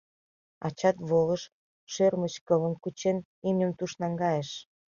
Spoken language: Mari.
Ачат волыш, шӧрмыч кылым кучен, имньым туш наҥгайыш.